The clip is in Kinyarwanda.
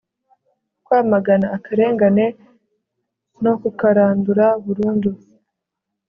kwamagana akarengane no kukarandura burundu